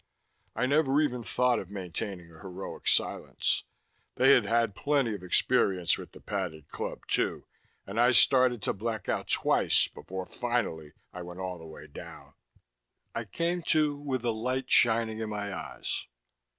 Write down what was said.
I never even thought of maintaining a heroic silence. They had had plenty of experience with the padded club, too, and I started to black out twice before finally I went all the way down. I came to with a light shining in my eyes.